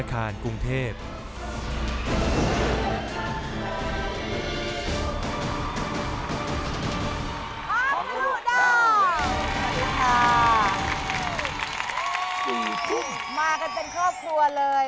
มากันเป็นครอบครัวเลย